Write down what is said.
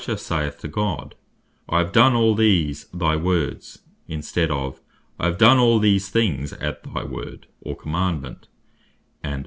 Elijah saith to God, "I have done all these thy Words," in stead of "I have done all these things at thy Word," or commandement: and (Jer.